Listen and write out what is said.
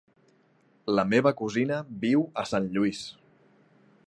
La meva cosina viu a Sant Lluís.